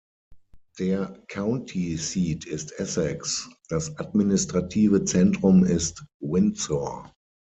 Der County Seat ist Essex, das administrative Zentrum ist Windsor.